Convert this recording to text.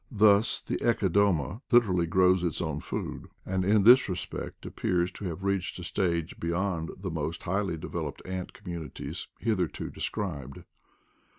Thus the (Ecodoma literally grows its own food, and in this respect appears to have reached a stage beyond the most highly de veloped ant communities hitherto described.